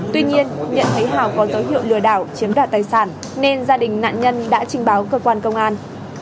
tuy nhiên nhận thấy hào có dấu hiệu lừa đảo chiếm đoạt tài sản nên gia đình nạn nhân đã trình báo cơ quan công an